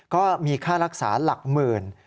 ก็มีค่ารักษาหลักหมื่น